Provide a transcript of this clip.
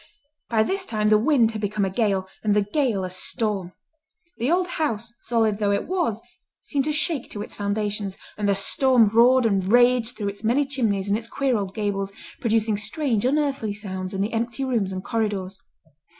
By this time the wind had become a gale, and the gale a storm. The old house, solid though it was, seemed to shake to its foundations, and the storm roared and raged through its many chimneys and its queer old gables, producing strange, unearthly sounds in the empty rooms and corridors.